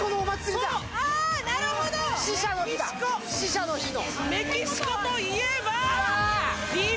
死者の日だ！